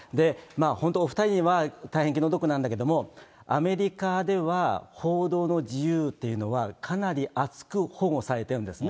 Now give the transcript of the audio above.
本当、お２人には大変気の毒なんだけども、アメリカでは報道の自由っていうのは、かなり厚く保護されてるんですね。